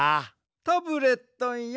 タブレットンよ。